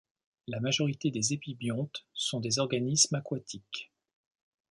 La majorité des épibiontes sont des organismes aquatiques.